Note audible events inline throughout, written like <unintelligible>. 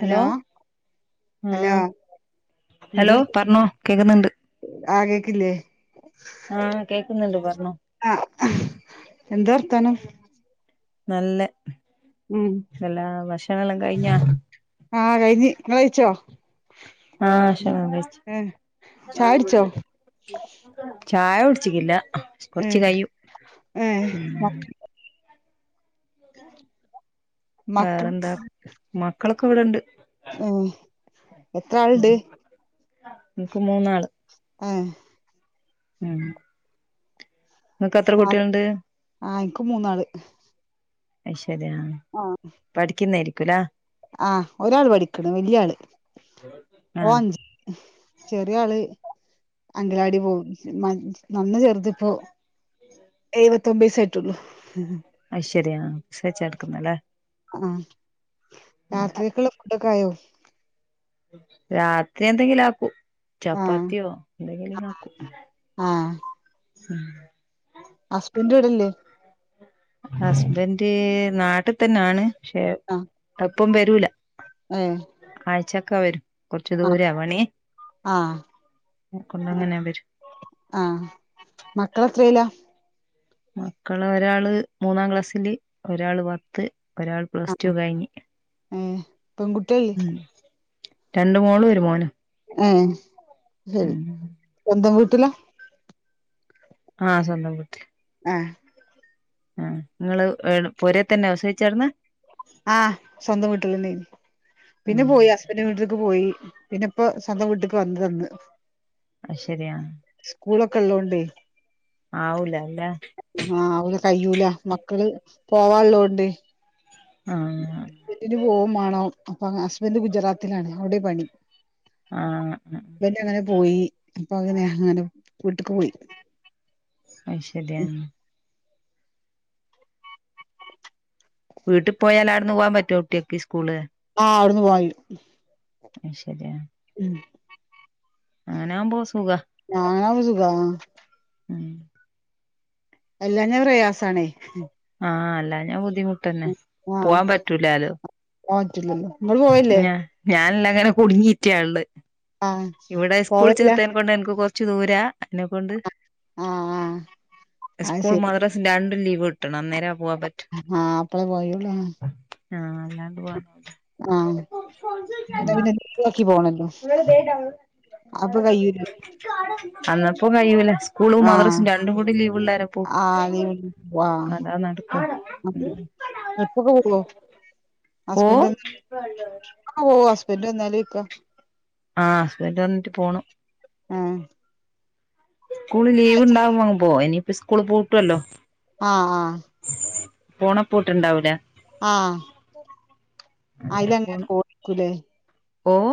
Hello hello ആഹ് hello പറഞ്ഞോ കേക്കുന്നുണ്ട് ആഹ് കേക്കില്ലേ ആഹ് കേക്കുന്നുണ്ട് പറഞ്ഞോ ആ എന്താ വർത്താനം? നല്ല ഉം എല്ലാ ഭക്ഷണമെല്ലാം കഴിഞ്ഞാ? ആഹ് കഴിഞ്ഞു നിങ്ങൾ കഴിച്ചോ? ആഹ് ഭക്ഷണം കഴിച്ചു ഏ ചായുടിച്ചോ ചായ കുടിച്ചിക്കില്ല, ഏ കൊറച്ചു കഴിയും. <inaudible> ഏ മ- മക്കൾ വേറെന്താ,? മക്കളൊക്കെ ഇവിടുണ്ട് ഏ എത്ര ആളുണ്ട് എനിക്ക് മൂന്നാള് ഉം ഉം നിങ്ങക്കെത്ര കുട്ടികളുണ്ട്? ആ, എനിക്ക് മൂന്നാള് അതു ശരിയാണ് പഠിക്കുന്നായിരിക്കുല്ലേ? ആഹ് ഒരാള് പഠിക്കണ്, വല്യ ആള് ആഹ് ഓൻ ചെറിയാള് അംഗലാടി പോകും. നന്ന ചെറുതിപ്പോ എഴ് ഒമ്പത് വയസായിട്ടുള്ളു. അത ശരിയാ <unintelligible> വിസച്ച എടുക്കുന്നല്ലേ ആഹ്, രാത്രിക്കുള്ള ഫുഡൊക്കെയായോ? രാത്രി എന്തെങ്കിലുമാക്കും. ആ ചപ്പാത്തിയോ എന്തെങ്കിലുമാക്കും. ആ ഹസ്ബൻഡ് ഇവിടില്ലേ? ഹസ്ബൻഡ് നാട്ടിൽ തന്നെയാണ് പക്ഷെ ആ ഇപ്പം വരൂല്ല. ഏ ആഴ്ചയൊക്കെ വരും. കൊറച്ചു ആ ദൂരയാ പണി ആ കൊണ്ടങ്ങനെ വരും ആഹ്, മക്കളെത്രയിലാ? മക്കള് ഒരാള് മൂന്നാം ക്ലാസില് ഒരാള് പത്ത് ഒരാൾ പ്ലസ് ആഹ് ടു കഴിഞ്ഞ് ഏഹ് പെൺകുട്ടിയല്ലേ ഉം രണ്ടു മോളും ഒരു മോനും ഉം ശരി, ഉം സ്വന്തം വീട്ടിലാ ആഹ് സ്വന്തം വീട്ടിൽ ആഹ് ആ നിങ്ങള് പൊരയിൽത്തന്നെയാ പ്രസവിച്ചട്ന്ന് ആഹ് സ്വന്തം വീട്ടിലാരുന്നു. ഉം പിന്നെ പോയി ഹസ്ബൻഡിൻ്റെ വീട്ടിലേക്ക് പോയി. പിന്നിപ്പൊ സ്വന്തം വീട്ടിക്ക് വന്നതാന്ന് അ ശരിയാണ് സ്കൂളൊക്കെയുള്ളോണ്ടേ ആവൂല്ലേ ആഹ് അവള് കഴിയൂല്ല, മക്കള് പോവാനുള്ളോണ്ട് ആഹ് <unintelligible> ന് പോമാണോ അപ്പൊ ഹസ്ബന്ഡ് ഗുജറാത്തിലാണ് അവിടെയാ പണി ആഹ് ആഹ് ഇവല് അങ്ങനെ പോയി അപ്പൊ അങ്ങനെ അങ്ങനെ വീട്ടിക്ക് പോയി അത് ശരിയാണ് വീട്ടിൽ പോയാൽ അവിടന്ന് പോവാൻ പറ്റോ കുട്ടിയൊക്ക് സ്കൂള് ആ അവിടുന്ന് പോയിടും അത് ശരിയാണ് അങ്ങനെയാവുമ്പോ സുഖവാ അങ്ങനാകുമ്പോ സുഖവാ ഉം എല്ലാഞാ പ്രയാസാണെയ് ആഹ് അല്ലാഞ ബുദ്ധിമുട്ടന്നെ പോവാൻ പറ്റൂലാലൊ പോവറ്റുലല്ലൊ ഞാ ഞാനല്ലങ്ങ്ന കുട്ങ്ങീറ്റള്ളെ ആഹ് ഇവടെ സ്കൂൾ പോവലില്ല ചേർത്തിൻ കൊണ്ട് എന്ക്ക് കൊറ റച് ദൂരാ അയിനകൊണ്ട് ആഹ് ആഹ് അത് സ്കൂളും ശരി മദ്രസും രണ്ടും ലീവ വിട്ടണം അന്നേര ആഹ് പ്പൊന്ന് പോയെള്ളു ആഹ് അല്ലാണ്ട് പോവാനാവൂല അല്ലാതെ പിന്നെ ലീവാക്കി പോണല്ലോ അപ്പൊ കയ്യൂലേ അന്നപ്പം കയ്യൂല സ്കൂളും ആഹ് മദ്രസും രണ്ടും കൂടി ലീവ്ള്ളേരം പ്പോവും ആഹ് ലീവ് അല്ലാതെ നടക്കു എപ്പൊക്കെ പോവൊ ഓഹ് ഓഹ് ഹസ്ബന്റ വന്നാല് ഇക്ക ആഹ് ഹസ്ബന്റ വന്ന്റ്റ് പോണം ആഹ് സ്കൂള് ലീവ് ഇണ്ടാവുമ്പങ് പോവും ഇനിയിപ്പൊ സ്കൂള് പൂട്ടുവല്ലൊ ആഹ് ആഹ് ഓണപ്പൂട്ട് ണ്ടാവൂലെ ആഹ് അയിലങ്ങനെ <unintelligible> ക്കൂലെ ഓഹ്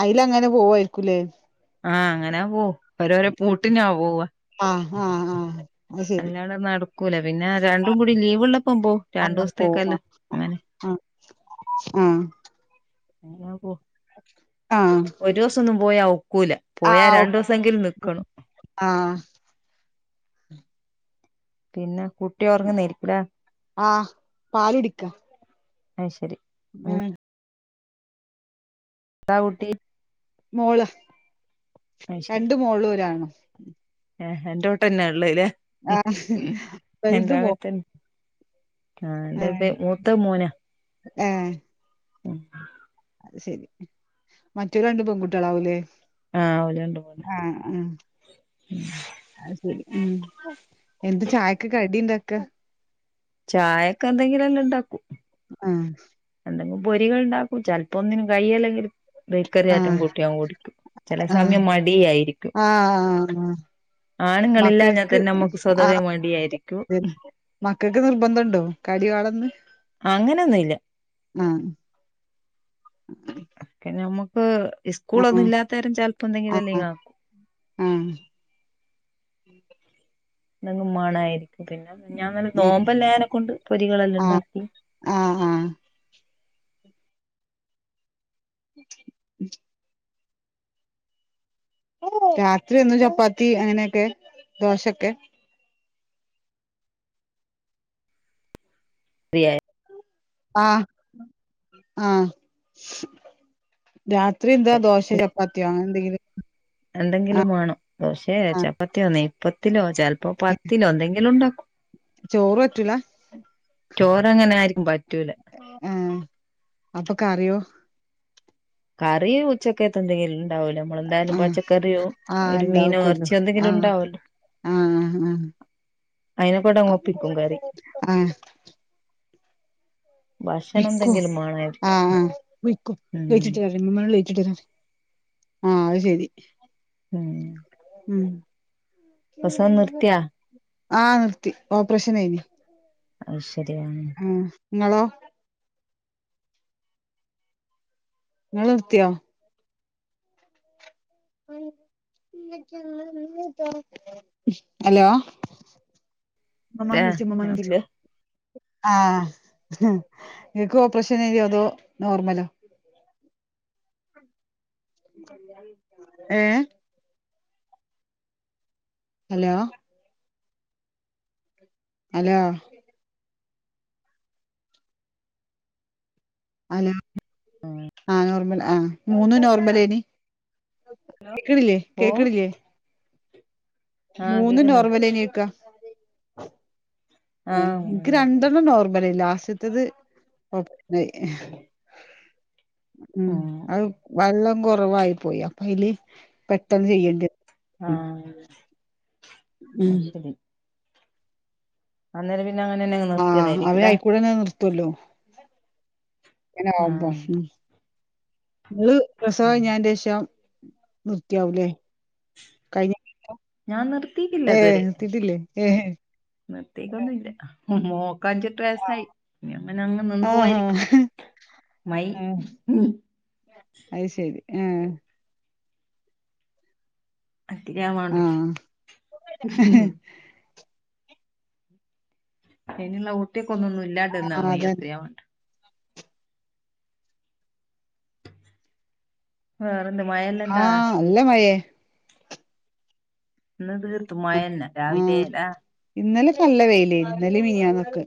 അയിലങ്ങനെ പോവായിരിക്കുല്ലെ ആഹ് അങ്ങന പോവും ഓരൊരൊ പൂട്ടിന്നാ പോവ ആഹ് ആഹ് ആഹ് അത് ശരി അല്ലാതെ നട പിന്നെ രണ്ടും കൂടി ലീവ് ഇള്ളപ്പൊ പോവും അങ്ങനെ രണ്ടൂസത്തേക്കല്ല പോവും അങ്ങനെ ആഹ് ആഹ് എങ്ങനാ പോ ആഹ് ഒരൂസൊന്നും പോയാ ഒക്കൂല. പോയാ ആഹ് രണ്ടൂസെങ്കിലും നിക്കണൊ ആഹ് പിന്നെ കുട്ടി ഒറ്ങ്ങ്ന്നേര്ക്കുംലെ ആഹ് പാല് കുടിക്കാ അയ് ശരി ഉം ന്താവുട്ടി മോള്. അത് ശരി രണ്ട് മോളും ഒരാണും ഏഹ് എന്റോട്ടന്നെ ഇള്ളലെ വലുത് എന്റങ്ങന് മോൻ ത്തന്നെ ആഹ് എന്റെ ഏഹ് ഇപ്പെ മൂത്ത മോന ഏഹ് ഉം അത് ശരി മറ്റത് രണ്ടും പെൺകുട്ട്യേളാവുംലെ ആഹ് ഓല് രണ്ടും പെണ്ണ അത് സരി ഉം എന്ത ചായക്ക് കടിണ്ടാക്ക ചായക്കെന്തെങ്കിലല്ലം ഇണ്ടാക്കു ആഹ് എന്തെങും പൊരികള്ണ്ടാക്കും ചെലപ്പൊ ഒന്നിനും കയ്യലെങ്കിലു ബേക്കറി ആറ്റം ആഹ് കൂട്ടിയങ് കുടിക്കും ചെല ആഹ് സമയം മടിയായിരിക്കും ആഹ് ആഹ് ആണ്ങ്ങളില്ലാഞ്ഞ മക്കക്ക് തന്നെ നമ്മക്ക് സ്വദവെ ആഹ് മടിയായിരിക്കു അതെ മക്കക്ക് നിർബന്ധംണ്ടോ കടി വാണം ന്ന് അങ്ങനൊന്നു ഇല്ല ഞമ്മക്ക് സ്കൂള ഒന്നും ആഹ് ഇല്ലാത്തേരം ചിലപ്പോം എന്തെങ്കിലും അല്ലെ ആഹ് ആക്കും ഉം നങ് മാണായിരി ക്കും. പിന്നെ മിഞ്ഞാന്നന്നെ നോമ്പല്ലേന കൊണ്ട് പൊരികളെല്ലാം ആഹ് ഉണ്ടാക്കി ആഹ് ആഹ് ഉ രാത്രി ഒന്നു ചപ്പാത്തി അങ്ങനെയൊക്കെ ദോശൊക്കെ റിയായ ആഹ് ആഹ് രാത്രി എന്ത ദോശെ ചപ്പാത്തിയൊ അങ്ങനെ എന്തെങ്കിലും എന്തെങ്കിലും ആഹ് മാണം ദോശേ ആഹ് ചപ്പത്തിയോ നെയ്പത്തലോ ചിലപ്പോ പത്തിലോ എന്തെങ്കിലും ഉണ്ടാക്കും ചോറ് പറ്റൂല ചോറ് അങ്ങനെയാരിക്കും പ ആഹ് അപ്പൊ കറിയോ കറി ഉച്ചക്കത്തെ എന്തെങ്കിലും ഉണ്ടാവല്ലോ നമ്മളെന്തായാലും ആഹ് പച്ചക്കറിയോ ആഹ് ഒരു മീനോ ഇണ്ടാക്കുള്ളൂ ഇറച്ചിയോ എന്തെങ്കിലും ആഹ് ഉണ്ടാവല്ലോ ആഹ് അയിനെക്കൂടെ അങ്ങ് ആഹ് ഒപ്പിക്കും കറി അപ് ആഹ് ഭക്ഷണം എന്തെങ്കിലും ആഹ് വേണായിരുന്നു ആഹ് ഉം ആഹ് അത് ശരി ഉം ഉം പ്രസവം നിർത്തിയാ ആഹ് നിർത്തി ഓപ്പ്രേഷനേനി അത് ശരി ഉം ഇങ്ങളോ നിങ്ങളിർത്തിയോ ഉ ഹലോ ഉമ്മമ്മനെ ആ വിളിച്ചോ ഉമ്മമ്മനെ വിളിച്ചോ ഇല്ല ആഹ് ഇങ്ങക്കു ഓപ്രഷനേന്യോ അതോ നോർമലോ ഏഹ് ഹലോ ഹലോ അലോ ആ നോർമൽ ആഹ മൂന്നു നോർമലന് കേക്കണില്ലേ ഓ കേക്കാണില്ലേ ആഹ് മൂന്ന് കേക്കുന്നുണ്ട് നോർമലേനിക്ക എനിക്ക് ആഹ് നോർമലാ രണ്ടെണ്ണം നോർമ പറല ലാസത്തത് ഓപ്പനായി ഉം ആഹ് അത് വെള്ളം കുറവായി പോയി അപ്പൊ അതില് പെട്ടെന്ന് ചെയ്യേണ്ടി വന്നു. ആഹ ആ ഉം ശരി അന്നേരം പിന്നെ അങ്ങനെന്നെങ്ങ് ആഹ് അവര് നിർത്തിയതായിരിക്കുംലേ അയിക്കൂടെന്നെ ങ്ങനെ <inaudible> നി രസവം കിഞ്ഞ ശേഷം നിർത്തിയാകൂല്ലേ കഴിഞ്ഞ ഞാൻ നിർ ഏ നിർത്തിട്ടില്ലേ എഹെ നിർത്തിക്കൊന്നില്ല മോക്ക അഞ്ചിട്ട വയസായിനി അങ്ങനെ അങ്ങങ് നിന്ന ആഹാ പോവായിരിക്കും മൈ ആഹ് അത് ശരി ആഹ അതിഞ്ഞാവേണ്ട് ആഹ് അയ്നുള്ള ഊട്ടീക്കൊന്നും ഇല്ലാണ്ടിരുന്നാ ആഹ് മതി <unintelligible> അതന്നെ വേറെന്തെ മയേല്ലെണ്ടൊ ആഹ് നല്ല മഴേ ഇന്നു തീർത്തു മയന്നെ രാവിലെ ആഹ് ലാ ഇന്നലെക്കെ നല്ല വെയിലെ ഇന്നലേം മിനിയാന്നൊക്കെ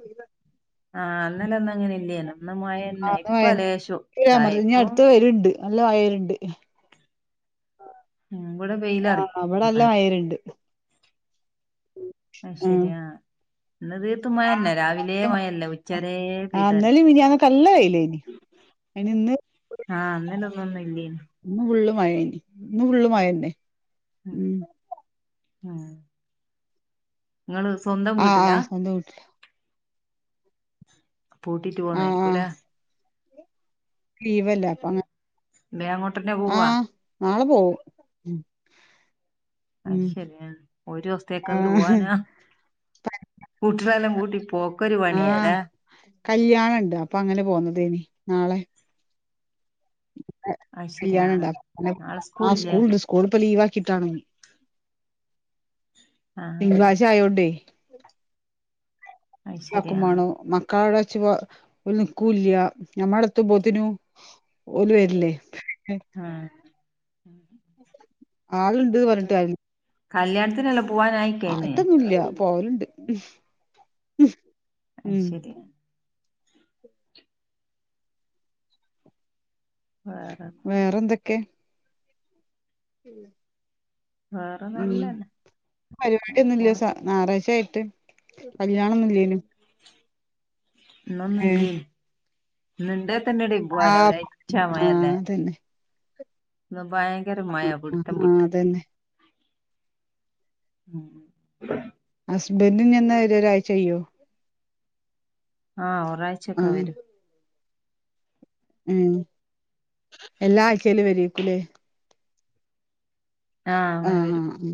ആ അന്നലൊന്നും അങ്ങനെ ഇല്ലേന്നു ഇന്ന മയന്നെ ആഹ് ഇപ്പ ഇന്ന് ലേശോ മഴന്നെ ഇനി ഒരു ഇതായ അമർച്ച- ഇനി ഇപ്പൊ അടുത്ത വര്ണ്ട് നല്ല വയലലുണ്ട് ഉ ഇവിടെ ആഹ് വെയിലെറക്കി ഇവിടെ നല്ല എന്നാലേ മഴ വര്ണ്ട് ആ ശരി ആ ഇന്നു തീർത്ത മയ തന്നെ രാവിലേ ആഹ് മയല്ലേ ഉച്ചരേ പെയ്ത ആഹ് തന്നെ ഇന്നലിം മിനിയാന്നൊക്കെ നല്ല വെയിലേനി അയിന് ആ അന്നേല ഒന്നൊന്നും ഇല്ല ഇന്നു ഫുള്ളു മഴയാണ് ഇന്ന് ഫുള്ളൂ മയയന്നെ ഉം ആ ആഹ് ആഹ് അന്തട്ടില്ല പൂട്ടീട്ടു പോണേ ആഹ് ഗുലാ ലീവല്ല അപ്പങ്ങേ ബേ മൊട്ട് ആ നാളെ പോവും അ ഉം ശരിയാണ് ഒരു ദിവസത്തേക്കെ ന്ത് ആഹ് പോവാനാ കൂട്ടരെല്ലാം കൂട്ടി പോക്കൊരു പണിയാ അല്ലേ കല്യാണൊണ്ട് അപ്പൊ അങ്ങനെ പോന്നത ഇനി നാളെ അത് ശരി ആ കല്യാണണ്ടൊ നാളെ ആ സ്കൂളില്ലേ സ്കൂളുണ്ട് സ്കൂളിപ്പ ലീവാക്കിട്ടാണെ ആ തിങ്കളാഴ്ച ആയോണ്ടേ അത് അ ശരി ആ ക്കുമാണോ മക്കാളേ ശിവാ നിക്കൂല്ല ഞമ്മുടെത്ത് ബൊ ധിനു ഓലു വരില്ലേ ആ ആളുണ്ട് പറഞ്ഞിട്ട് കാര്യല്ല കല്യാണത്തിനല്ല പോവാനായിട്ടേനെ പോലുണ്ട് അ ശരിയാ വേറെ ക്കെ ഉ വേറെ ഉ നല്ലന്നെ പരിപാടി അങ്ങനെ ഒന്നൂല്ല പോണ് ഞാറാഴ്ചായി കല്യാണിന്നില്ലേലും ഇന്നൊന്നും ഇല്ലേ തന്നെ <unintelligible> ഡ ആ പോാല ആ അവിടെച്ചമല്ലേ അതന്നെ ഇന്ന് ഭയങ്കര ആ മയ ആ ആ പിടുത്തംപിട്ടു അതന്നെ ഉ ഹസ്ബെന്റിനിനി എന്നാ വരിക ഒരാഴ്ച കയിയോ ആ ആ ഒരാഴ്ചൊക്കെ വരും ഉം എല്ലാ ആഴ്ച്ചേലും വരീക്കൂലേ ആ അങ്ങനെ ആ വരും ഉ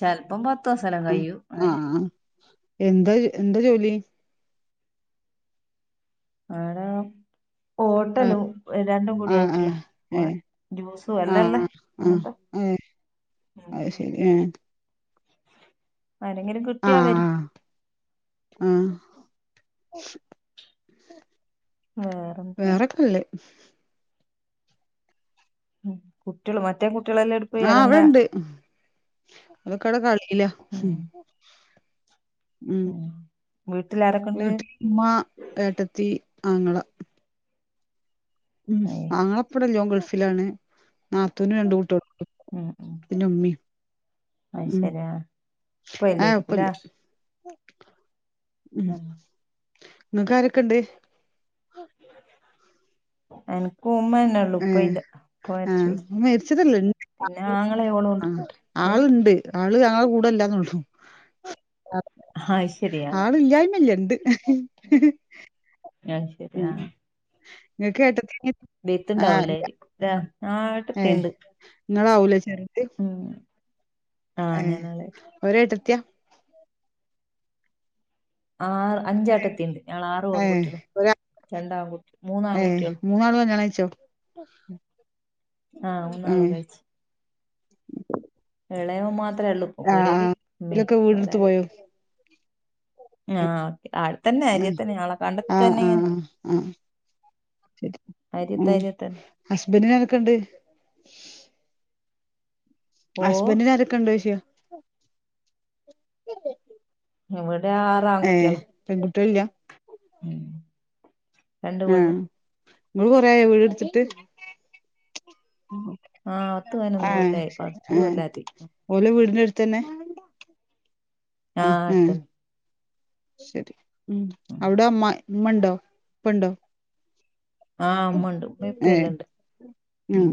ചെലപ്പം പത്ത് ദിവസെല്ലാം കഴിയും ആ ആ അങ്ങനെ എന്താ എന്താ ജോലി ആ ടെ ആ ഹോട്ടലും രണ്ടും കൂടി ആ ആയിട്ടുള്ള ഏ ആ ജ്യൂസും ആ എല്ലല്ലേ ആ അങ്ങനത്തെ അതെ ഉം അത് ശരി ആ ആരെങ്കിലും ആ കിട്ടിയാ വരൂ വേറെന്ത വേറൊക്കെല്ലേ കുട്ടികള് മറ്റേ കുട്ടി ആ അവിടെണ്ട് അതൊക്കവിടെ കളീലാ ഉം ഉം വീട്ടിലാരൊക്കെണ്ട് വീട്ടിലമ്മ ഏട്ടത്തി ആങ്ങള ഉം ഏയ് ആങ്ങള എപ്പടല്ലോ ഗൾഫിലാണ് നാത്തൂനും രണ്ട് കുട്ടികൾ ഉം ഉ ഉ ആഹ ഇപ്പല്ലേരിക്കൂല എപ്പല്ല ഉ ഉം നിങ്ങക്ക ആരൊക്കെ ഇണ്ട് എനക്ക് ഉമ്മതന്നെ ഉള്ളു ഏ ഇപ്പ ഇല്ല ഇപ്പ ആ മരിച്ചുപോയി മരിച്ചതല്ല ഇണ്ട് പിന്നെ ആങ്ങളെഓളും ആ ഉണ്ട് ആളുണ്ട് ആള് ഞങ്ങളുടെ കൂടെല്ലാന്നള്ളു അത് ശരിയാ ആള ഇല്ലായ്മല്ല ഉണ്ട് <inaudible> അഹ ശരിയാ നിങ്ങൾ ഏട്ടത്തി അനിയത്തി ആ ഇല്ല ബീത്ത്ണ്ടാവലായിരിക്കും ത ഏട്ടത്തിണ്ട്‌ നിങ്ങൾ ആവുലെ ചെറുത് ആ ഏ ഞാനാളെ ഒരു ഏട്ടത്തി ആ ആ അഞ്ചാട്ടത്തിണ്ട് ഞൾ ആറു ഏ പെൺകുട്ടികൾ ഒരാ രണ്ടാംൺകുട്ടി മൂന്നാം ഏ ആൺകുട്ടികൾ മൂന്നാളും കല്യാണം കഴിച്ചോ ആഹ ഏ ന്നാളും കഴിച്ചു ഇളയവം മാത്രേ ഉള്ളൂ ആ ആ പുരല് ഉമ്മേ ഓലൊക്കെ വീടെടുത്ത് പോരാല പോയോ ആ അടെ തന്നെ ആ അരിയ തന്നെ ആളെ കണ്ട ആ തന്നെ ആ ആ ഇങ്ങനെ ആ ശരി ഉ അരിയത്ത് അരിയത്തന്നെ ഹസ്ബൻഡിനനക്കുണ്ട് ഓ ഹസ്ബൻഡന്രൊക്കെ ഇണ്ടോശ്യ അവർ ആറാൺകുട്ടികള പെൺകുട്ടികളില്ല രണ്ട് പെണ്ണ് നമ്മൾ കുറ വീട്ടുത്തിട്ട് ആഹ പത്തു പതിനൊന്നു ആഹ് കൊല്ലയി ആഹ് ഓലെ വീടിന്റെ അടുത്തന്നെ ആഹ് അടുത്തല്ലേ ശരി ഉ അവിടെ അമ്മ ഉമ്മണ്ടോ ഉപ്പണ്ടോ ആഹ് ഉമ്മ ഉണ്ട് ഉമ്മേം ഉപ്പേം ഏ എല്ലാം ഉണ്ട് മ്മ് ഉം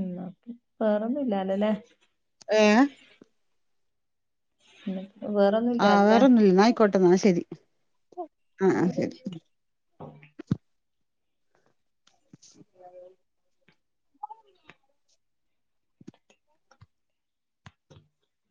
ഉ ഓക്കെ വേറൊന്നുംല്ലല്ലല്ലേ ഏ വേറൊന്നുല്ല അല്ലെ കൊട്ടന്നാ ശരി ആഹ ആഹ് ശരി ഉ